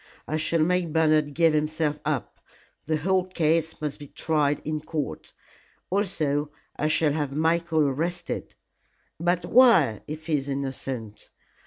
"I shall make Bernard give himself up. The whole case must be tried in court. Also I shall have Michael arrested." "But why, if he is innocent?"